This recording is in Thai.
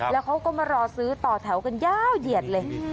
แล้วเขาก็มารอซื้อต่อแถวกันยาวเหยียดเลย